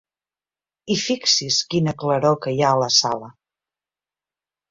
I fixi's quina claror que hi ha a la sala!